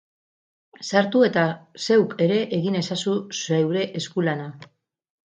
Sartu eta zeuk ere egin ezazu zeure eskulana.